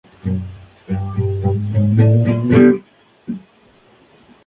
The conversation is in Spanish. Comienzan tocando versiones de King Crimson y componiendo temas propios.